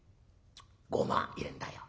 ごま入れんだよ。